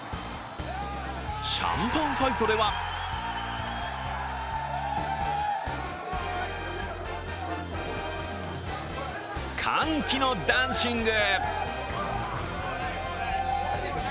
シャンパンファイトでは歓喜のダンシング。